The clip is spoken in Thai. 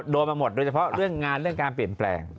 โดนมาหมดโดยเฉพาะเรื่องงานเรื่องการเปลี่ยนแปลง